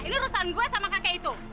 ini urusan gue sama kakek itu